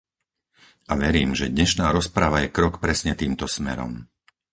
A verím, že dnešná rozprava je krok presne týmto smerom.